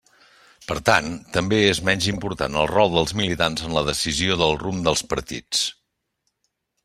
Per tant, també és menys important el rol dels militants en la decisió del rumb dels partits.